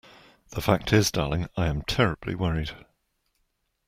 The fact is, darling, I am terribly worried.